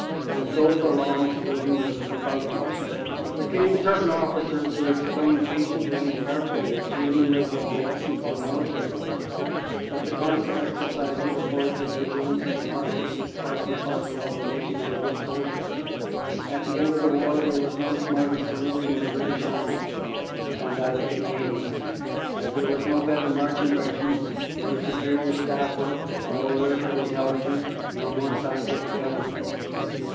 And so, for long, saluting was a perfunctory affair. But there came certain officers who explained patiently and carefully that saluting was of the essence of military life that the constant exercise it affords of vigilance and smartness is part and parcel of the making of a good soldier. At the end of the war there was no smarter saluting in the British Army than that of the Canadians, as there were no better marching regiments, no superior Staff work, no alerter Intelligence, nor more scientific gunnery.